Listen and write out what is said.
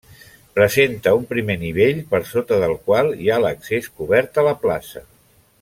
Presenta un primer nivell per sota del qual hi ha l'accés cobert a la plaça.